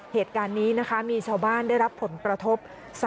เหตุการณ์นี้นะคะมีชาวบ้านได้รับผลกระทบ